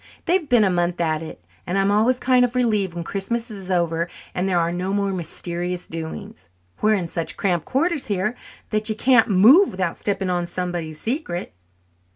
They've been a month at it, and I'm always kind of relieved when Christmas is over and there are no more mysterious doings. We're in such cramped quarters here that you can't move without stepping on somebody's secret."